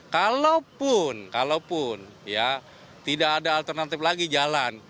kalaupun kalaupun ya tidak ada alternatif lagi jalan